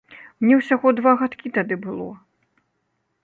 Мне ўсяго два гадкі тады было.